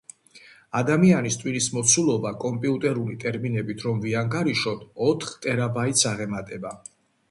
ადამიანის ტვინის მოცულობა, კომპიუტერული ტერმინებით რომ ვიანგარიშოთ, ოთხ ტერაბაიტს აღემატება.